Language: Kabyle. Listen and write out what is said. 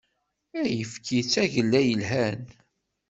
Ayekfi d tagella yelhan.